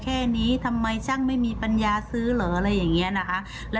แค่นี้ทำไมช่างไม่มีปัญญาซื้อเหรออะไรอย่างนี้นะคะ